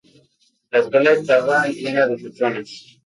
La escuela estaba llena de personas.